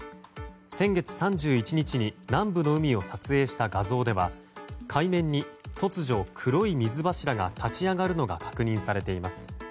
先月３１日に南部の海を撮影した画像では海面に突如黒い水柱が立ち上がるのが確認されています。